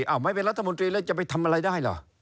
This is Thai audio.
ไม่เป็นรัฐมนตรีแล้วจะไปทำอะไรได้เหรอ